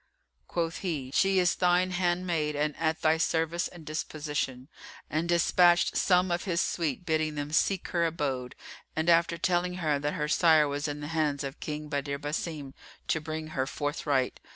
Quoth he, "She is thine handmaid and at thy service and disposition," and despatched some of his suite bidding them seek her abode and, after telling her that her sire was in the hands of King Badr Basim, to bring her forthright.